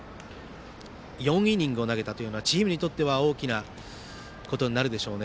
４イニングを投げたというのはチームにとっては大きなことになるでしょうね。